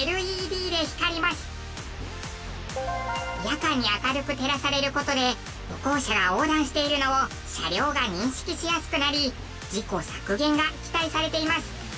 夜間に明るく照らされる事で歩行者が横断しているのを車両が認識しやすくなり事故削減が期待されています。